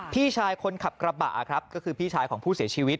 พี่ชายคนขับกระบะครับก็คือพี่ชายของผู้เสียชีวิต